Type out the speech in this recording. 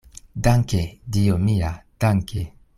Danke, Dio mia, danke!